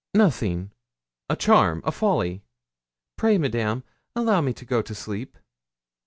'Nothing a charm folly. Pray, Madame, allow me to go to sleep.'